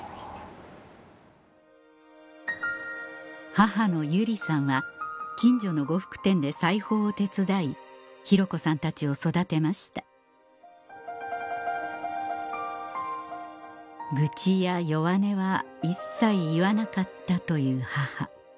母の百合さんは近所の呉服店で裁縫を手伝い洋子さんたちを育てました愚痴や弱音は一切言わなかったという母